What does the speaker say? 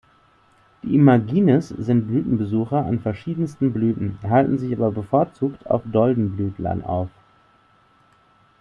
Die Imagines sind Blütenbesucher an verschiedensten Blüten, halten sich aber bevorzugt auf Doldenblütlern auf.